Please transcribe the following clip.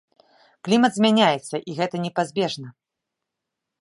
Клімат змяняецца і гэта непазбежна.